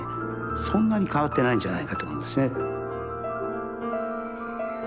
そんなに変わってないんじゃないかと思うんですね。